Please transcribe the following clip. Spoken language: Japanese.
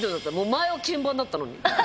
前は鍵盤だったのに。